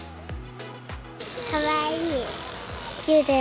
かわいい。